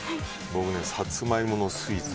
僕ね、さつまいものスイーツ